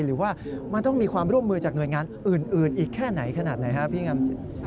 หรือว่ามันต้องมีความร่วมมือจากหน่วยงานอื่นอีกแค่ไหนขนาดไหนครับพี่งามจิต